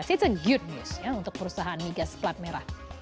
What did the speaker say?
it's a good news untuk perusahaan migas plat merah